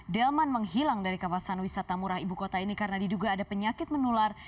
delman menghilang dari kawasan wisata murah ibu kota ini karena diduga ada penyakit menular